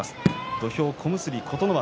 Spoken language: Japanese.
土俵は小結琴ノ若